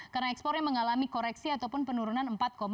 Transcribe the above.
karena ekspornya mengalami koreksi ataupun penurunan empat empat puluh empat